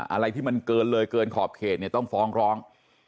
อะไรที่มันเกินเลยเกินขอบเขตเนี่ยต้องฟ้องร้อง